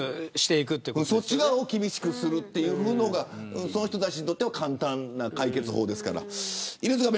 そっち側を厳しくするという方がその人たちにとっては簡単な解決方法ですから。